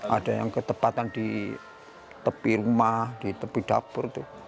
ada yang ketepatan di tepi rumah di tepi dapur